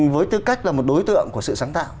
với tư cách là một đối tượng của sự sáng tạo